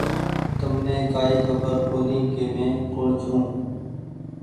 تمني ڪآئي خبر ڪوُني ڪ مينٚ ڪوٚڻ ڇوٚنٚ